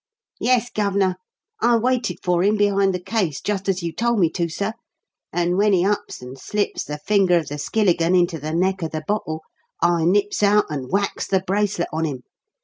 "Yes, Gov'nor. I waited for him behind the case just as you told me to, sir, and when he ups and slips the finger of the skilligan into the neck of the bottle, I nips out and whacks the bracelet on him.